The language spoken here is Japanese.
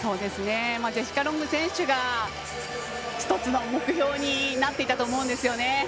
ジェシカ・ロング選手が１つの目標になっていたと思うんですよね。